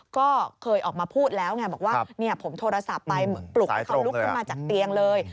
ก็เคยออกมาพูดแล้วไงบอกว่าผมโทรศัพท์ไปปลุกให้เขาลุกขึ้นมาจากเตียงเลย